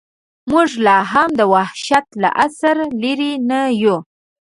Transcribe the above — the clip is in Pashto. موږ لا هم د وحشت له عصره لرې نه یو.